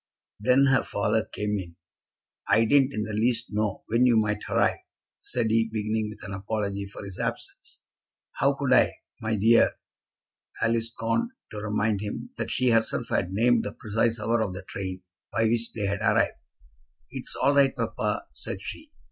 Then her father came in. "I didn't in the least know when you might arrive," said he, beginning with an apology for his absence. "How could I, my dear?" Alice scorned to remind him that she herself had named the precise hour of the train by which they had arrived. "It's all right, papa," said she.